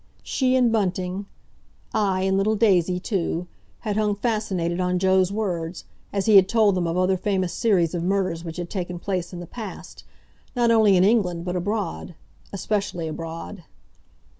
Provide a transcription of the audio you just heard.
She and Bunting, aye, and little Daisy too, had hung, fascinated, on Joe's words, as he had told them of other famous series of murders which had taken place in the past, not only in England but abroad—especially abroad.